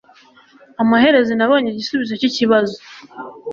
Amaherezo nabonye igisubizo cyikibazo